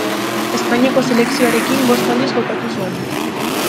Espainiako selekzioarekin bost aldiz jokatu zuen.